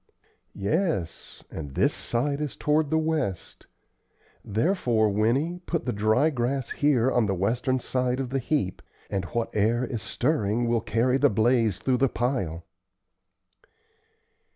"Yes; and this side is toward the west; therefore, Winnie, put the dry grass here on the western side of the heap, and what air is stirring will carry the blaze through the pile."